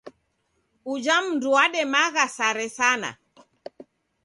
Uja mndu wademagha sare sana.